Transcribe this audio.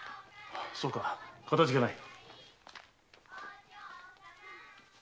そうかかたじけない。